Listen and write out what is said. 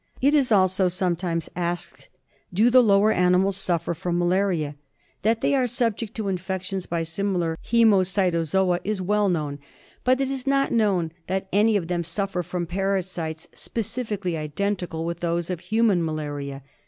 It is also sometimes asked, Do the lower animals suffer from malaria? That they are subject to infections by similar haemocytozoa is well known, but it is not known that any of them suffer from parasites specifically identical with those of human malaria.